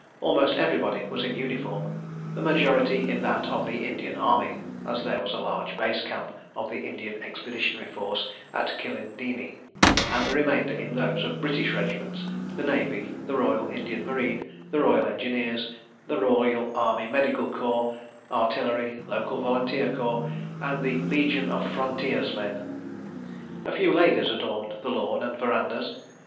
Almost everybody was in uniform, the majority in that of the Indian Army (as there was a large base camp of the Indian Expeditionary Force at Kilindini), and the remainder in those of British regiments, the Navy, the Royal Indian Marine, the Royal Engineers, the Royal Army Medical Corps, Artillery, local Volunteer Corps, and the "Legion of Frontiersmen." A few ladies adorned the lawn and verandahs.